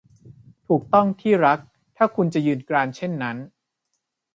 ถูกต้อง ที่รัก ถ้าคุณจะยืนกรานเช่นนั้น